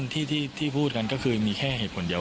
ที่พูดกันก็คือมีแค่เหตุผลเดียว